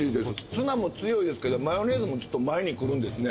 ツナも強いですけどマヨネーズも前にくるんですね。